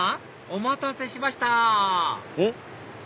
お待たせしましたうん？